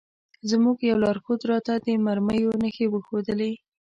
زموږ یوه لارښود راته د مرمیو نښې وښودلې.